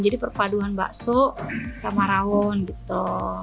jadi perpaduan bakso sama rawon gitu